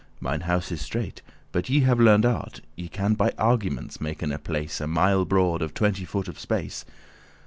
Mine house is strait, but ye have learned art; Ye can by arguments maken a place A mile broad, of twenty foot of space.